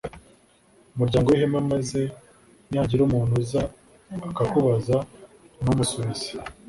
umuryango w ihema maze nihagira umuntu uza akakubaza numusubize